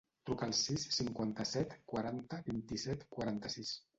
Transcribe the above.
Truca al sis, cinquanta-set, quaranta, vint-i-set, quaranta-sis.